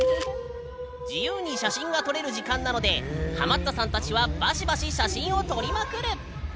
自由に写真が撮れる時間なのでハマったさんたちはバシバシ写真を撮りまくる！